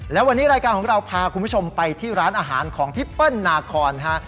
และวันนี้รายการของเราพาคุณผู้ชมไปที่ร้านอาหารของพี่เปิ้ลนาคอนฮะ